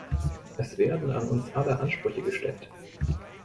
Es werden an uns alle Ansprüche gestellt.